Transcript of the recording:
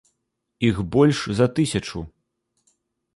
Іх больш за тысячу.